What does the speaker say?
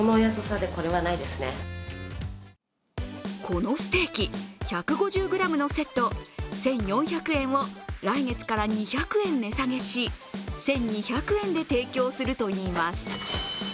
このステーキ１５０ｇのセット１４００円を、来月から２００円値下げし１２００円で提供するといいます。